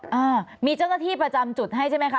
อ่ามีเจ้าหน้าที่ประจำจุดให้ใช่ไหมคะ